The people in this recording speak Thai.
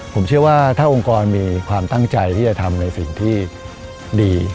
ผมเชื่อว่าถ้าองค์กรมีความตั้งใจที่จะทำในสิ่งที่ดี